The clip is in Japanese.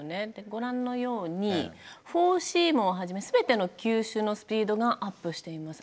ご覧のようにフォーシームをはじめ全ての球種のスピードがアップしています。